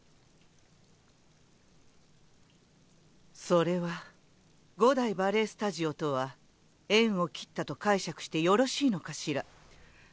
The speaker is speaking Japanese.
それは五代バレエスタジオとは縁を切ったと解釈してよろしいのかしら？